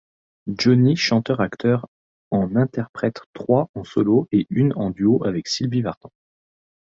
Johnny chanteur-acteur en interprète trois en solo et une en duo avec Sylvie Vartan.